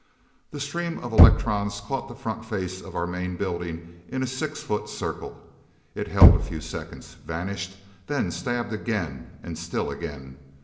The stream of electrons caught the front face of our main building in a six foot circle. It held a few seconds, vanished, then stabbed again, and still again.